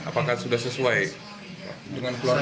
apakah sudah sesuai dengan keluarga